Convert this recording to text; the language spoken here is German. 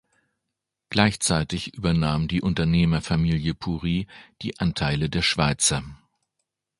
Gleichzeitig übernahm die Unternehmerfamilie Puri die Anteile der Schweizer.